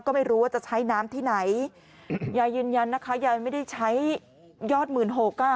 ก็ไม่รู้ว่าจะใช้น้ำที่ไหนยายยืนยันนะคะยายไม่ได้ใช้ยอดหมื่นหกอ่ะ